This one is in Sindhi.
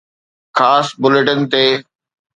خاص بليٽن تي